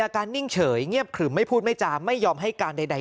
การนิ่งเฉยเงียบขึมไม่พูดไม่จามไม่ยอมให้การใด